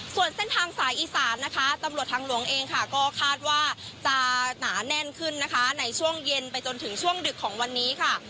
ส่วนเส้นทางสายอีสานนะคะตำรวจทางหลวงเองค่ะก็คาดว่าจะหนาแน่นขึ้นนะคะในช่วงเย็นไปจนถึงช่วงดึกของวันนี้ค่ะ